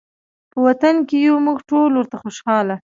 په وطن کې یو موږ ټول ورته خوشحاله